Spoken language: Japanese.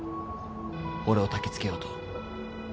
俺をたきつけようと。